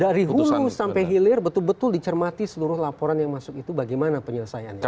dari hulu sampai hilir betul betul dicermati seluruh laporan yang masuk itu bagaimana penyelesaiannya